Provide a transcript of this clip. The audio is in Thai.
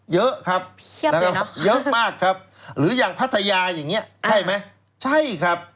เยอะครับนะครับเยอะมากครับหรืออย่างพัทยาอย่างนี้ใช่ไหมใช่ครับ